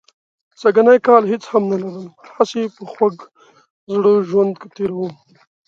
سږنی کال هېڅ هم نه لرم، هسې په خوږ زړه ژوند تېروم.